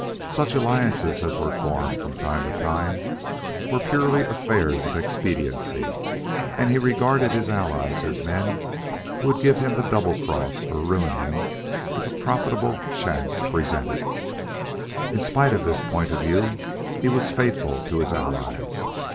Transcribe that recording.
Such alliances as were formed from time to time were purely affairs of expediency, and he regarded his allies as men who would give him the double cross or ruin him if a profitable chance presented. In spite of this point of view, he was faithful to his allies.